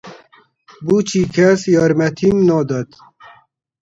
بۆچی کەس یارمەتیم نادات؟